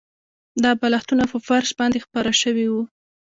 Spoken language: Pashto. دا بالښتونه په فرش باندې خپاره شوي وو